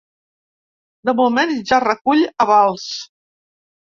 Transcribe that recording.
De moment, ja recull avals.